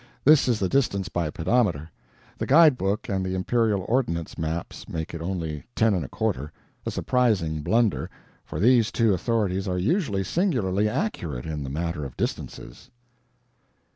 This is the distance by pedometer; the guide book and the Imperial Ordinance maps make it only ten and a quarter a surprising blunder, for these two authorities are usually singularly accurate in the matter of distances.